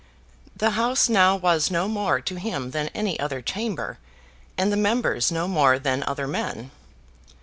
The House now was no more to him than any other chamber, and the members no more than other men.